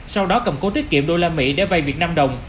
sau đó cầm cố tiết kiệm đô la mỹ để vay việt nam đồng